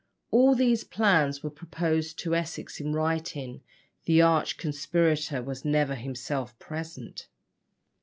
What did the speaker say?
All these plans were proposed to Essex in writing the arch conspirator was never himself present.